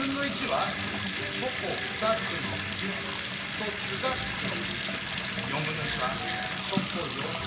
1/4はチョコ４つのうち１つが黒。